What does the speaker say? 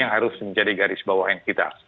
yang harus menjadi garis bawahan kita